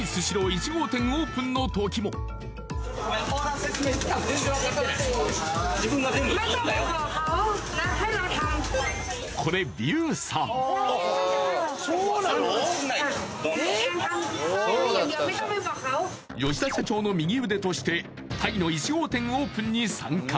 １号店オープンの時も吉田社長の右腕としてタイの１号店オープンに参加